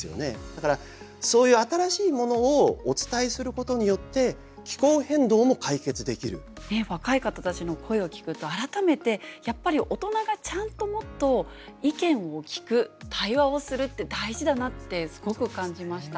だからそういう若い方たちの声を聞くと改めてやっぱり大人がちゃんともっと意見を聞く対話をするって大事だなってすごく感じました。